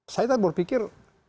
saya tadi berpikir